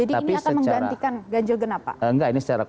jadi ini akan menggantikan ganjil genap pak